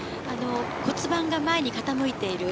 骨盤が前に傾いている。